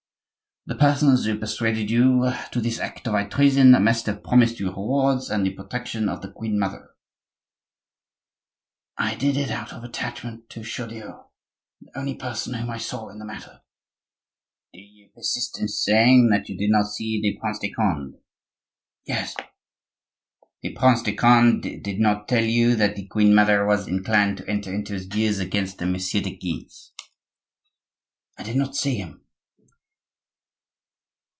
"The persons who persuaded you to this act of high treason must have promised you rewards and the protection of the queen mother." "I did it out of attachment to Chaudieu, the only person whom I saw in the matter." "Do you persist in saying you did not see the Prince de Conde?" "Yes." "The Prince de Conde did not tell you that the queen mother was inclined to enter into his views against the Messieurs de Guise?" "I did not see him."